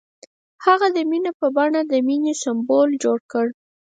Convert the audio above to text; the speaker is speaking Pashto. هغه د مینه په بڼه د مینې سمبول جوړ کړ.